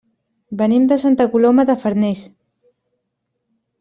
Venim de Santa Coloma de Farners.